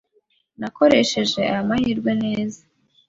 Nakoresheje aya mahirwe meza.